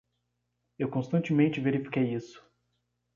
Eu constantemente verifiquei isso.